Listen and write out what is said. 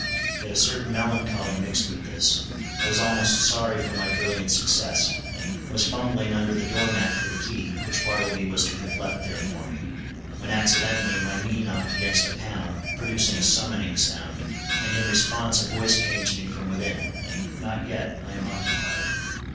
Yet a certain melancholy mixed with this: I was almost sorry for my brilliant success. I was fumbling under the door mat for the key, which Bartleby was to have left there for me, when accidentally my knee knocked against a panel, producing a summoning sound, and in response a voice came to me from within—"Not yet; I am occupied."